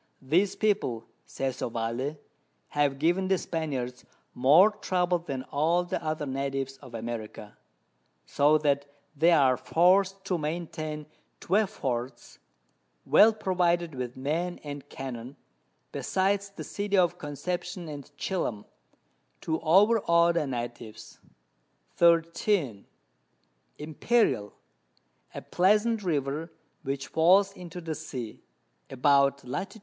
These People, says Ovalle, have given the Spaniards more trouble than all the other Natives of America; so that they are forced to maintain 12 Forts, well provided with Men and Cannon, besides the City of Conception and Chillam, to over aw the Natives. 13. Imperial, a pleasant River, which falls into the Sea, about Lat.